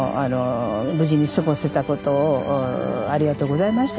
無事に過ごせたことをありがとうございました